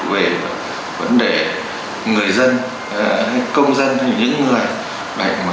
về vấn đề người dân công dân những người